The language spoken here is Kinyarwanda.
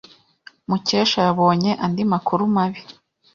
Mukesha yabonye andi makuru mabi.